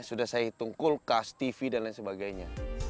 sudah saya hitung kulkas tv dan lain sebagainya